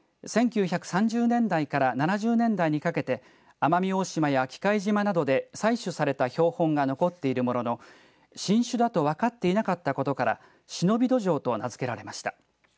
１９３０年代から７０年代にかけて奄美大島や喜界島などで採取された標本が残っているものの新種だと分かっていなかったことからシノビドジョウと名付けられました。